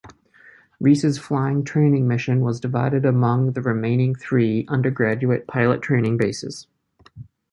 Reese's flying training mission was divided among the remaining three undergraduate pilot training bases.